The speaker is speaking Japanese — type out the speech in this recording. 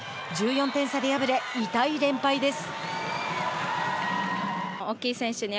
１４点差で敗れ痛い連敗です。